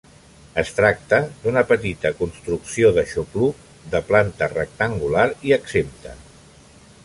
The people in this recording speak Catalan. Es tracta d'una petita construcció d'aixopluc, de planta rectangular i exempta.